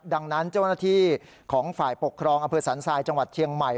ดังนั้นเจ้าหน้าที่ของฝ่ายปกครองอำเภอสันทรายจังหวัดเชียงใหม่